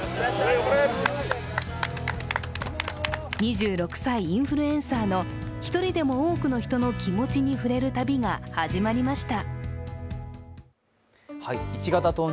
２６歳、インフルエンサーの一人でも多くの人の気持ちに触れる旅が始まりました。